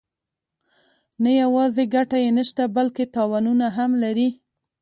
نه یوازې ګټه یې نشته بلکې تاوانونه هم لري.